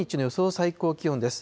最高気温です。